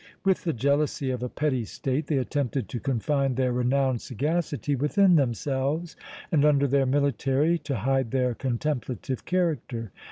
With the jealousy of a petty state, they attempted to confine their renowned sagacity within themselves, and under their military to hide their contemplative character!